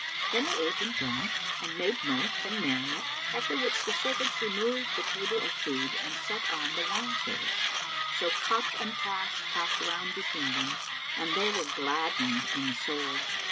Then they ate and drank and made mirth and merriment, after which the servants removed the table of food and set on the wine service; so cup and tasse[FN#330] passed round between them and they were gladdened in soul.